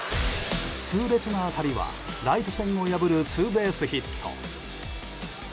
痛烈な当たりはライト線を破るツーベースヒット。